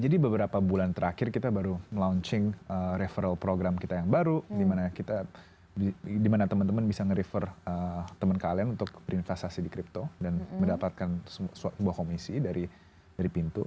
jadi beberapa bulan terakhir kita baru launching referral program kita yang baru dimana kita dimana teman teman bisa nge refer teman kalian untuk berinvestasi di crypto dan mendapatkan sebuah komisi dari pintu